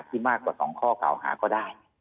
มากกว่า๒ข้อเก่าหาก็ได้